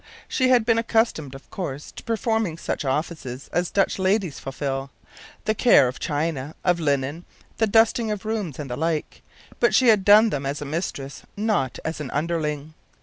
She had been accustomed, of course, to performing such offices as all Dutch ladies fulfil the care of china, of linen, the dusting of rooms, and the like; but she had done them as a mistress, not as an underling.